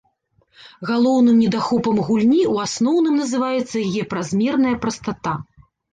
Галоўным недахопам гульні ў асноўным называецца яе празмерная прастата.